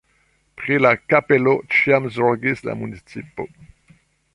Pri la kapelo ĉiam zorgis la municipo.